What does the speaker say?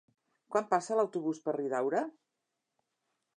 Quan passa l'autobús per Riudaura?